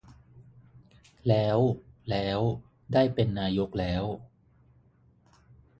แล้ว แล้ว ได้เป็นนายกแล้ว